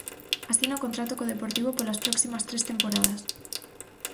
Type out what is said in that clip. Asina contrato co Deportivo polas próximas tres temporadas.